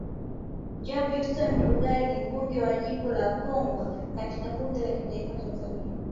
Job Yustino Ndugai ni mbunge wa jimbo la Kongwa katika bunge la kitaifa Tanzania